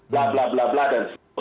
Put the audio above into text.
bla bla bla bla dan